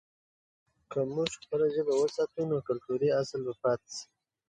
که موږ خپله ژبه وساتو، نو کلتوري اصل به پاته سي.